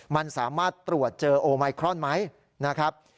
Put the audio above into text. มันสามารถตรวจเจอโอไมครอนไหมนะครับ